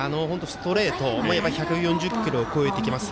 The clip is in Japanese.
ストレート１４０キロを超えてきます。